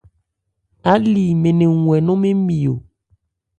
Áli mɛn nɛn wu hɛ nɔn mɛɛ́n mi o.